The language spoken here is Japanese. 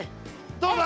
どうだ？